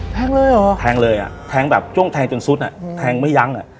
แทงเลยเหรอแทงเลยอ่ะแทงแบบจ้วงแทงจนซุดอ่ะแทงไม่ยั้งอ่ะ